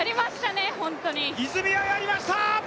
泉谷、やりました！